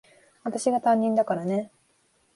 私が担任だからね。